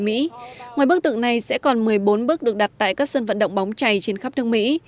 ngoài bức tượng này sẽ còn một mươi bốn bức được đặt tại các sân vận động bóng chay trên khắp nước mỹ